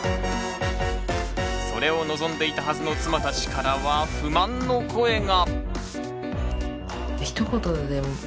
それを望んでいたはずの妻たちからは不満の声が。